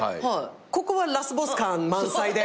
ここはラスボス感満載で。